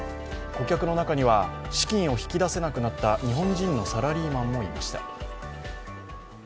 顧客の中には、資金を引き出せなくなった日本人のサラリーマンもいました。